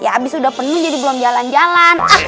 ya abis udah penuh jadi belum jalan jalan